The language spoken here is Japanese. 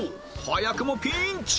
早くもピンチ！